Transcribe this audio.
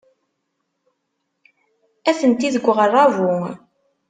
Atenti deg uɣerrabu.